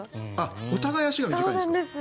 お互いに足が短いんですか。